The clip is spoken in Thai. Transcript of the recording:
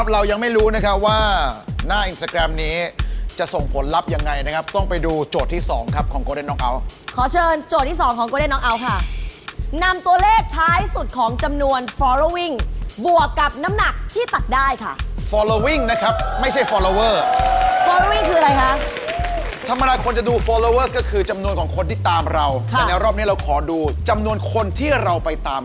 แต่ว่าคนที่ได้กิโลทองยิ่งสูงยิ่งมีสิทธิ์ผ่านเข้ารอบเยอะ